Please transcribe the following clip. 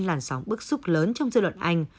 làn sóng bức xúc lớn trong dư luận anh